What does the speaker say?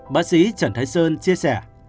bác sĩ trần thái sơn chia sẻ